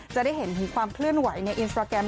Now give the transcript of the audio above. จะได้เห็นถึงความเคลื่อนไหวในอินสตราแกรม